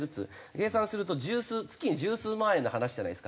計算すると十数月に十数万円の話じゃないですか。